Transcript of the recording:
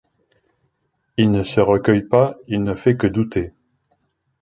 Il ne se recueille pas : il ne fait que douter.